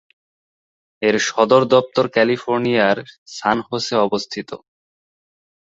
এর সদর দফতর ক্যালিফোর্নিয়ার সান হোসে অবস্থিত।